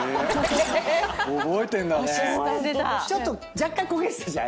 若干焦げてたじゃん。